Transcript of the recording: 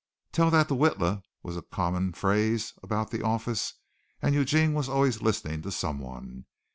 "Tell that to Witla," was a common phrase about the office and Eugene was always listening to someone.